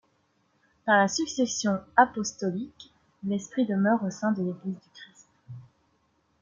Par la succession apostolique, l'Esprit demeure au sein de l'Église du Christ.